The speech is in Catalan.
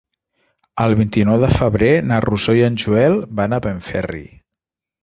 El vint-i-nou de febrer na Rosó i en Joel van a Benferri.